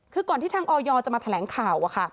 คือก่อนที่ทางออยจะมาแถลงข่าว